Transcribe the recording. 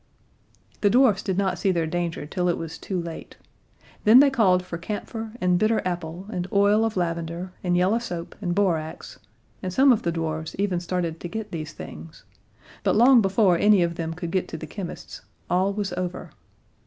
The dwarfs did not see their danger till it was too late. Then they called for camphor and bitter apple and oil of lavender and yellow soap and borax; and some of the dwarfs even started to get these things, but long before any of them could get to the chemist's, all was over.